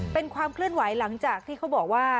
เป็นความเคลื่อนไหวหลังจากที่เขาบอกว่า